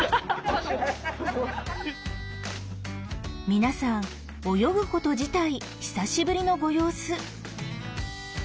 皆さん泳ぐこと自体久しぶりのご様子。